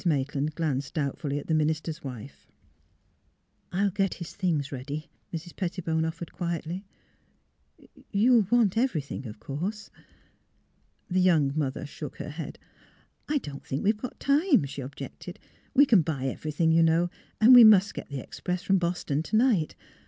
Maitland glanced doubtfully at the min ister's wife. " I'll get his things ready," Mrs. Pettibone offered, quietly. '' You — you'll want everything, of course! " The young mother shook her head. " I don't think we have time," she objected. THE LORD GAVE 351 We can buy everything, you know ; and we must get the express from Boston to night.